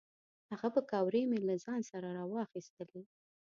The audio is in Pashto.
هغه پیکورې مې له ځان سره را واخیستلې.